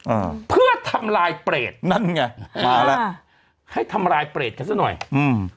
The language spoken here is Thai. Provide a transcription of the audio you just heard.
อ่าเพื่อทำลายเปรตนั่นไงมาแล้วให้ทำลายเปรตกันซะหน่อยอืม